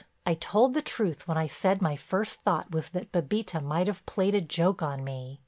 I told the truth when I said my first thought was that Bébita might have played a joke on me.